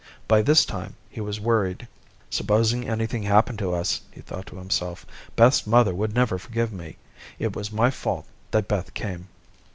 By this time, he was worried. "Supposing anything happened to us," he thought to himself, "Beth's mother would never forgive me. It was my fault that Beth came."